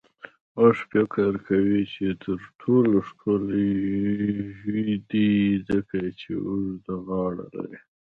اوښ فکر کوي چې تر ټولو ښکلی ژوی دی، ځکه چې اوږده غاړه لري.